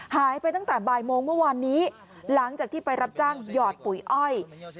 หายไปตั้งแต่บ่ายโมงเมื่อวานนี้หลังจากที่ไปรับจ้างหยอดปุ๋ยอ้อย